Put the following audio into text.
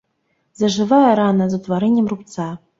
Зажывае рана з утварэннем рубца.